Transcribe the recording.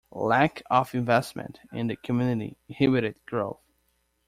Lack of investment in the community inhibited growth.